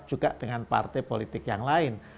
juga dengan partai politik yang lain